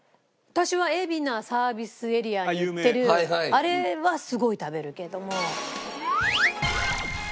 私は海老名サービスエリアに売ってるあれはすごい食べるけども。